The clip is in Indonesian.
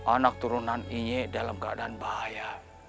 anak turunan ini dalam keadaan bahaya